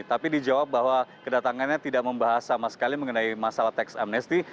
tapi dijawab bahwa kedatangannya tidak membahas sama sekali mengenai masalah teks amnesti